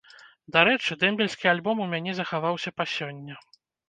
Дарэчы, дэмбельскі альбом у мяне захаваўся па сёння.